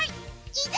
いざ